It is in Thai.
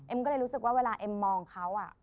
ก็เลยรู้สึกว่าเวลาเอ็มมองเขา